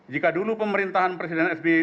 jika dulu pemerintahan presiden sby